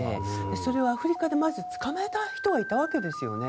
それをアフリカでまず捕まえた人がいるわけですよね。